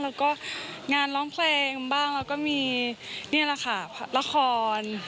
แล้วก็งานร้องเพลงบ้างแล้วก็มีนี่แหละค่ะละคร